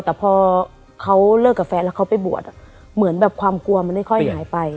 แต่พอเขาเลิกกับแฟนแล้วเขาไปบวชเหมือนแบบความกลัวมันไม่ค่อยหายไป